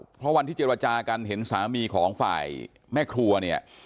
เพราะวันที่เจรจากันเห็นสามีของฝ่ายแม่ครัวเนี่ย